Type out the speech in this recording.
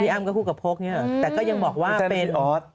พี่อ้ำก็คู่กับโพสต์เนี่ยแต่ก็ยังบอกว่าเป็น